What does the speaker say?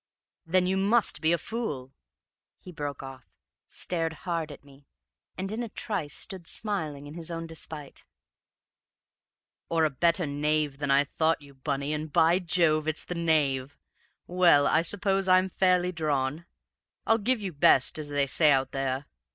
"Then you must be a fool " He broke off, stared hard at me, and in a trice stood smiling in his own despite. "Or a better knave than I thought you, Bunny, and by Jove it's the knave! Well I suppose I'm fairly drawn; I give you best, as they say out there.